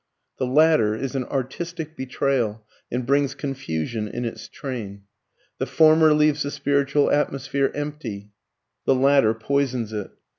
] The latter is an artistic betrayal and brings confusion in its train. The former leaves the spiritual atmosphere empty; the latter poisons it.